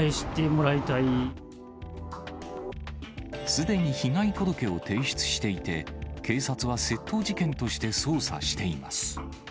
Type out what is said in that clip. すでに被害届を提出していて、警察は窃盗事件として捜査しています。